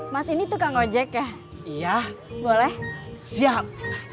mas ini tukang ojek ya iya boleh siap